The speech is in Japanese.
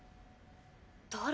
誰？